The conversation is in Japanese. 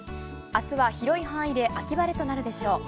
あすは広い範囲で秋晴れとなるでしょう。